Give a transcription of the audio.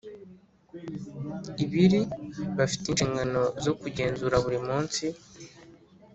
ibiri bafite inshingano zo kugenzura buri munsi